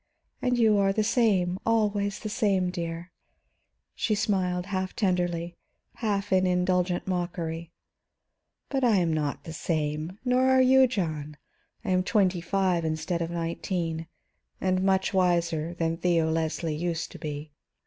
And you are the same, always the same, dear." She smiled, half tenderly, half in indulgent mockery. "But I am not the same, nor are you, John. I am twenty five instead of nineteen, and much wiser than Theo Leslie used to be.